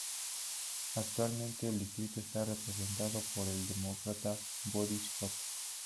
Actualmente el distrito está representado por el Demócrata Bobby Scott.